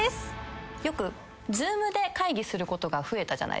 よくＺｏｏｍで会議することが増えたじゃないですか。